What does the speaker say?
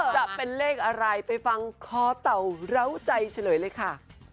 จะเป็นเลขอะไรไปฟังคอเต่าเหล้าใจเฉลยเลยค่ะ